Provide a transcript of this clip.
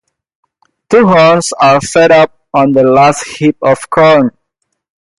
Two horns are set up on the last heap of corn.